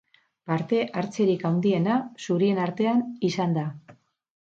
Parte hartzerik handiena zurien artean izan da.